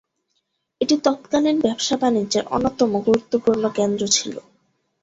এটি তৎকালীন ব্যবসা-বাণিজ্যের অন্যতম গুরুত্বপূর্ণ কেন্দ্র ছিল।